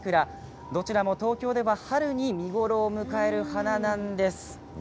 どちらも東京では春に見頃を迎える花なんです。